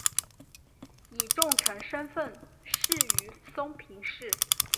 以重臣身份仕于松平氏。